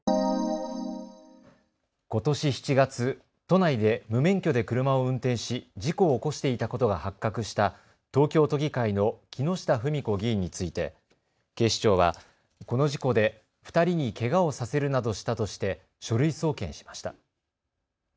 ことし７月、都内で無免許で車を運転し事故を起こしていたことが発覚した東京都議会の木下富美子議員について警視庁はこの事故で２人にけがをさせるなどしたとして書類送検しました。